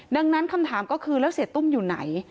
ดังนั้นคำถามก็คือแล้วเสียตุ้มอยู่ไหน